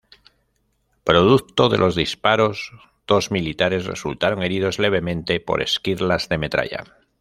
Producto de los disparos, dos militares resultaron heridos levemente por esquirlas de metralla.